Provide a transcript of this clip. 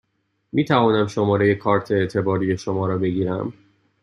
می توانم شماره کارت اعتباری شما را بگیرم؟